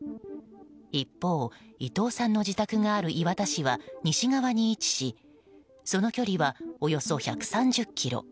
一方、伊藤さんの自宅がある磐田市は西側に位置しその距離は、およそ１３０ｋｍ。